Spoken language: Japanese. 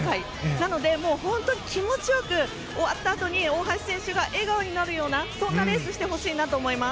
なので、本当に気持ち良く終わったあとに大橋選手が笑顔になるようなそんなレースをしてほしいなと思います。